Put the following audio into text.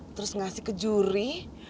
terus ngasih ke juri